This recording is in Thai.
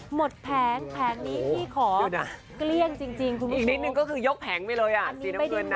แผงแผงนี้พี่ขอเกลี้ยงจริงคุณผู้ชมอีกนิดนึงก็คือยกแผงไปเลยอ่ะสีน้ำเงินนะ